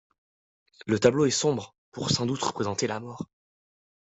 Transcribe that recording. Le tableau est sombre pour sans doute représenter la mort.